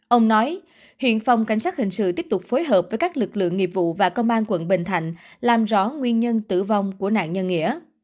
ông nói hiện phòng cảnh sát hình sự tiếp tục phối hợp với các lực lượng nghiệp vụ và công an quận bình thạnh làm rõ nguyên nhân tử vong của nạn nhân nghĩa